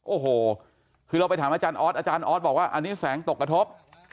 โอ้โหคือเราไปถามอาจารย์ออสอาจารย์ออสบอกว่าอันนี้แสงตกกระทบ